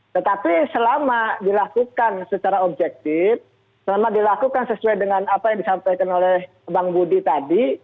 tetapi selama dilakukan secara objektif selama dilakukan sesuai dengan apa yang disampaikan oleh bang budi tadi